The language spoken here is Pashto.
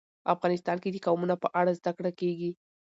افغانستان کې د قومونه په اړه زده کړه کېږي.